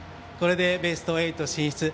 これで、ベスト８進出。